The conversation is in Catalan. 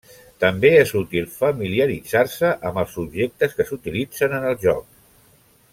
També és útil familiaritzar-se amb els objectes que s'utilitzen en el joc.